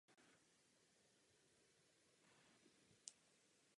Finále turnaje mužů se odehrálo na stadionu Georgia Dome v Atlantě.